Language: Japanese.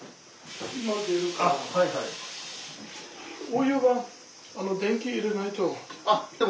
お湯は電気入れないと。